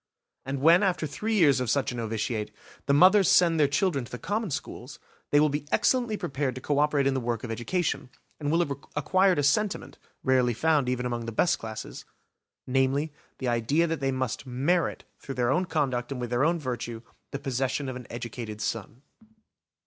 And when after three years of such a novitiate, the mothers send their children to the common schools, they will be excellently prepared to co operate in the work of education, and will have acquired a sentiment, rarely found even among the best classes; namely, the idea that they must merit through their own conduct and with their own virtue, the possession of an educated son.